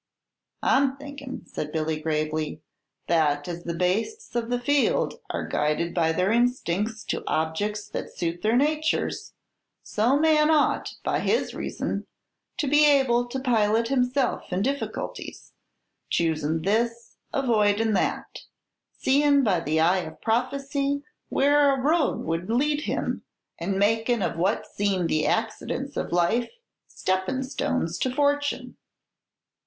"I'm thinkin'," said Billy, gravely, "that as the bastes of the field are guided by their instincts to objects that suit their natures, so man ought, by his reason, to be able to pilot himself in difficulties, choosin' this, avoidin' that; seein' by the eye of prophecy where a road would lead him, and makin' of what seem the accidents of life, steppin' stones to fortune."